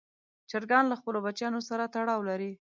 چرګان له خپلو بچیانو سره تړاو لري.